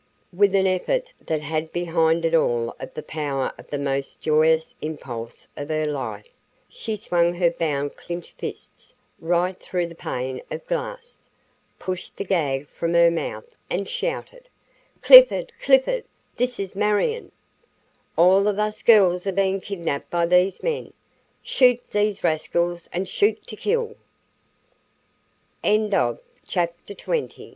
With an effort that had behind it all of the power of the most joyous impulse of her life, she swung her bound clinched fists right through the pane of glass, pushed the gag from her mouth, and shouted: "Clifford! Clifford! This is Marion. All of us girls are being kidnapped by these men. Shoot these rascals and shoot to kill." CHAPTER XXI.